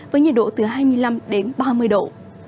với nhiệt độ từ hai mươi năm đến ba mươi độ